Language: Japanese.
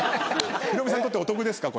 ヒロミさんにとってお得ですか？